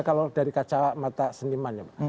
kalau dari kacau mata seniman